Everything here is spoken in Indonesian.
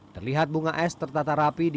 terlihat bunga es tertata rapi di